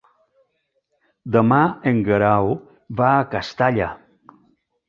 Demà en Guerau va a Castalla.